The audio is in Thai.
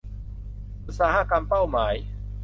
อุตสาหกรรมเป้าหมาย